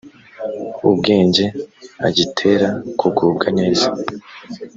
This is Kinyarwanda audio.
ubwenge agitera kugubwa neza